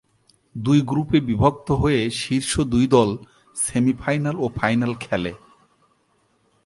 দুই গ্রুপে বিভক্ত হয়ে শীর্ষ দুই দল সেমি-ফাইনাল ও ফাইনাল খেলে।